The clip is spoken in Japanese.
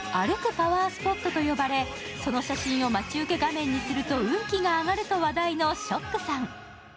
パワースポットと呼ばれその写真を待ち受け画面にすると運気が上がると話題のＳＨＯＣＫさん。